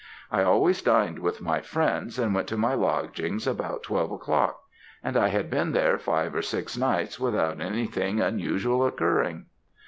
I always dined with my friends, and went to my lodgings about twelve o'clock, and I had been there five or six nights without anything unusual occurring.